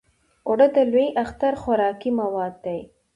اوړه د لوی اختر خوراکي مواد دي